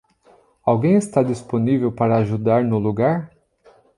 Alguém está disponível para ajudar no lugar?